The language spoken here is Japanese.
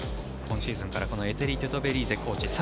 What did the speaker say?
今シーズンからエテリ・トゥトベリーゼコーチ。